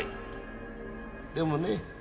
でもね